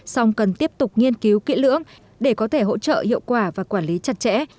song cần tiếp tục nghiên cứu kỹ lưỡng để có thể hỗ trợ hiệu quả và quản lý chặt chẽ